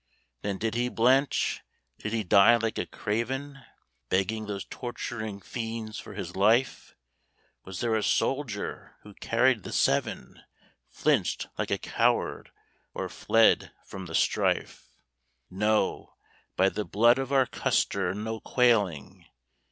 Then did he blench? Did he die like a craven, Begging those torturing fiends for his life? Was there a soldier who carried the Seven Flinched like a coward or fled from the strife? No, by the blood of our Custer, no quailing!